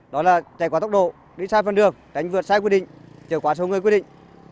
đó là chạy quá tốc độ đi sai phần đường tránh vượt sai quy định trở quá số người quy định